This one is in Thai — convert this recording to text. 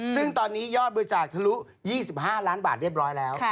ซึ่งตอนนี้ยอดบริจาคทะลุ๒๕ล้านบาทเรียบร้อยแล้ว